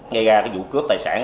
ngây ra cái vụ cướp tài sản